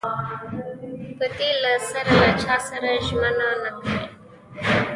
يا خو دې له سره له چاسره ژمنه نه کوي.